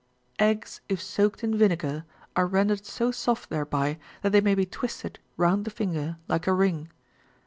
Eggs, if soaked in vinegar, are rendered so soft thereby, that they may be twisted ^^ round the finger like a ring.